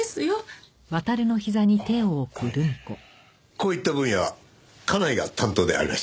こういった分野は家内が担当でありまして。